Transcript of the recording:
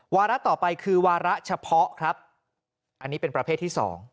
วาระต่อไปคือวาระเฉพาะครับอันนี้เป็นประเภทที่๒